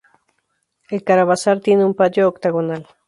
El caravasar tiene un patio octagonal.